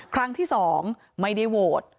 ครั้งที่๒ไม่ได้โหวต